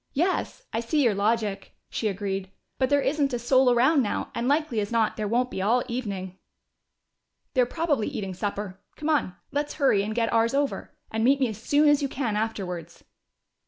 "Yes, I see your logic," she agreed. "But there isn't a soul around now, and likely as not there won't be all evening." "They're probably eating supper. Come on, let's hurry and get ours over. And meet me as soon as you can afterwards."